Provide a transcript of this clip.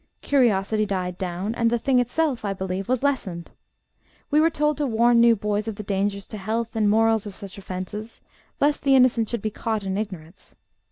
Curiosity died down, and the thing itself, I believe, was lessened. We were told to warn new boys of the dangers to health and morals of such offences, lest the innocent should be caught in ignorance.